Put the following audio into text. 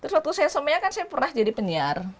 terus waktu saya smp nya kan saya pernah jadi penyiar